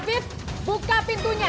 afif buka pintunya